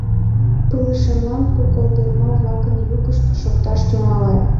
Пылышемлан пу колдырма-влакын йӱкышт шокташ тӱҥале.